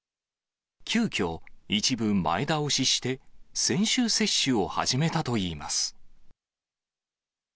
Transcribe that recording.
急きょ、一部前倒しして、先週接種を始めたといいます。